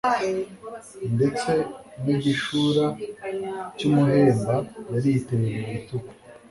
ndetse n'igishura cy'umuhemba yari yiteye mu bitugu